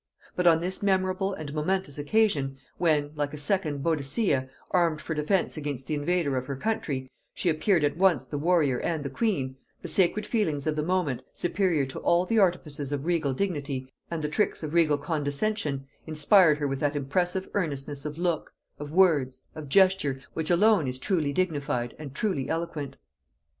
But on this memorable and momentous occasion, when, like a second Boadicea, armed for defence against the invader of her country, she appeared at once the warrior and the queen, the sacred feelings of the moment, superior to all the artifices of regal dignity and the tricks of regal condescension, inspired her with that impressive earnestness of look, of words, of gesture, which alone is truly dignified and truly eloquent.